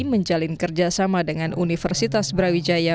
menjalin kerjasama dengan universitas brawijaya